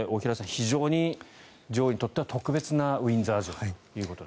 非常に女王にとっては特別なウィンザー城と。